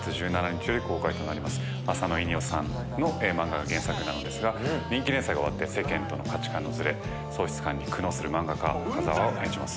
浅野いにおさんの漫画が原作なんですが人気連載が終わって世間との価値観のズレ喪失感に苦悩する漫画家深澤を演じます。